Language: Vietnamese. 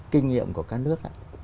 kinh nghiệm của các nước